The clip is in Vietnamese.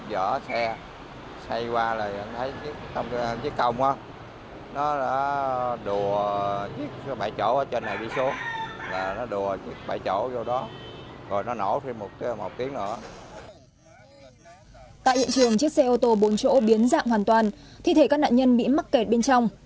tại hiện trường chiếc xe ô tô bốn chỗ biến dạng hoàn toàn thi thể các nạn nhân bị mắc kẹt bên trong